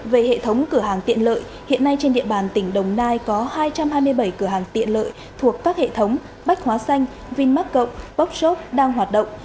về hệ thống cửa hàng tiện lợi hiện nay trên địa bàn tỉnh đồng nai có hai trăm hai mươi bảy cửa hàng tiện lợi thuộc các hệ thống bách hóa xanh vinmark cộng bóc đang hoạt động